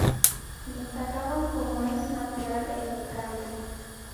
Destacaban, como es natural, en el canto.